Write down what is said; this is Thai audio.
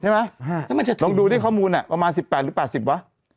ใช่ไหมฮะลองดูที่ข้อมูลเนี้ยประมาณสิบแปดหรือแปดสิบวะ